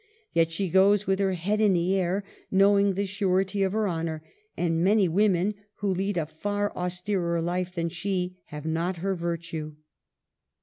... Yet she goes with her head in the air, knowing the surety of her honor ... many women (who lead a far austerer life than she) have not her virtue.